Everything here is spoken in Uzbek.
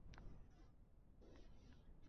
Hozir soat yetti